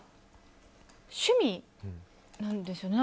趣味なんですよね。